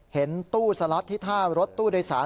เห็นตู้สล็อตที่ท่ารถตู้โดยสาร